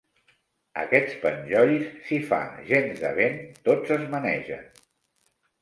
Aquests penjolls, si fa gens de vent, tots es manegen.